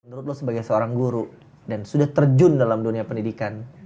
menurut lo sebagai seorang guru dan sudah terjun dalam dunia pendidikan